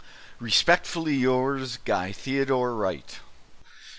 Respectfully yours, GUY THEODORE WRIGHT.